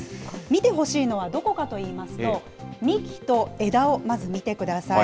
見てほしいのはどこかといいますと、幹と枝をまず見てください。